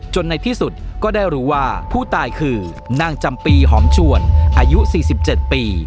ในที่สุดก็ได้รู้ว่าผู้ตายคือนางจำปีหอมชวนอายุ๔๗ปี